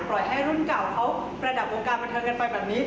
ปล่อยให้รุ่นเก่าเขาประดับวงการบรรทักเกินไปแบบนี้